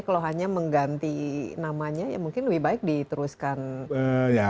kalau hanya mengganti namanya ya mungkin lebih baik diteruskan